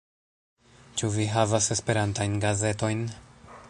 Ĉu vi havas esperantajn gazetojn?